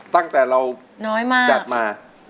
ตั้งแต่เราจัดมา